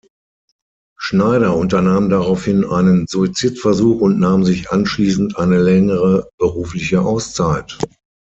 Schneider unternahm daraufhin einen Suizidversuch und nahm sich anschließend eine längere berufliche Auszeit.